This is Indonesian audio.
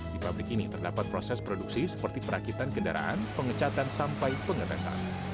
di pabrik ini terdapat proses produksi seperti perakitan kendaraan pengecatan sampai pengetesan